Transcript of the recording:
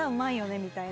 みたいな。